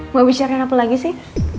mau bicarakan apa lagi sih